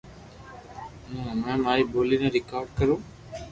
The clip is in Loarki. ھو ھمڙي ماري ڀولي ني ريڪارڌ ڪرو